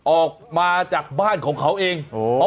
ออกมาจากบ้านของเขาเอง